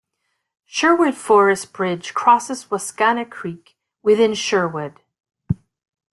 Sherwood Forest Bridge crosses Wascana Creek within Sherwood.